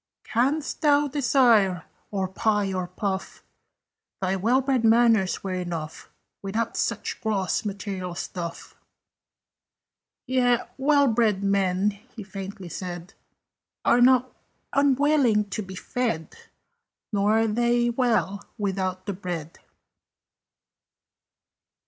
"Canst thou desire or pie or puff? Thy well bred manners were enough, Without such gross material stuff." "Yet well bred men," he faintly said, "Are not unwilling to be fed: Nor are they well without the bread."